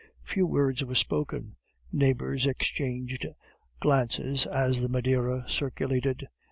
Few words were spoken. Neighbors exchanged glances as the Maderia circulated.